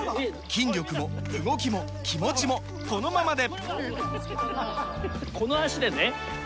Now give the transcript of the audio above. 筋力も動きも気持ちもこのままで！